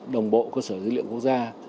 đồng bộ cơ sở dữ liệu quốc gia